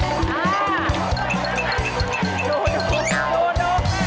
พี่หนุ่ยมาหน่อย